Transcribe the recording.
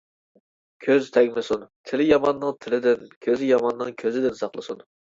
كۆز تەگمىسۇن! تىلى ياماننىڭ تىلىدىن، كۆزى ياماننىڭ كۆزىدىن ساقلىسۇن.